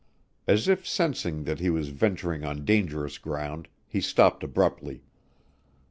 As if sensing that he was venturing on dangerous ground, he stopped abruptly.